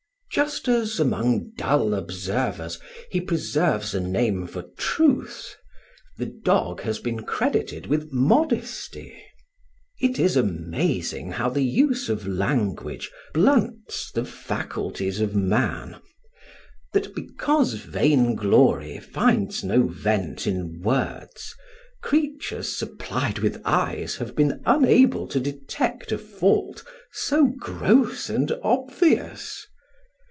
Just as among dull observers he preserves a name for truth, the dog has been credited with modesty. It is amazing how the use of language blunts the faculties of man that because vainglory finds no vent in words, creatures supplied with eyes have been unable to detect a fault so gross and obvious.